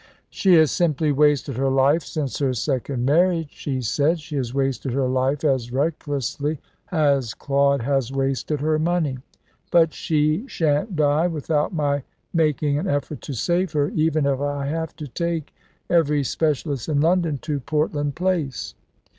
"She has simply wasted her life since her second marriage," she said. "She has wasted her life as recklessly as Claude has wasted her money; but she shan't die without my making an effort to save her, even if I have to take every specialist in London to Portland Place."